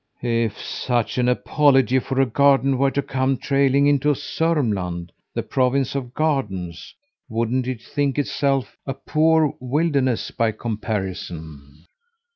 "If such an apology for a garden were to come trailing into Sörmland, the province of gardens, wouldn't it think itself a poor wilderness by comparison?"